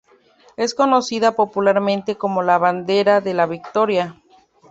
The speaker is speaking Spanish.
Es conocida popularmente como la Bandera de la Victoria.